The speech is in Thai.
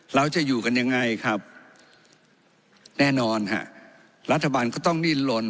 เราจะอยู่กันยังไงครับแน่นอนฮะรัฐบาลก็ต้องดิ้นลน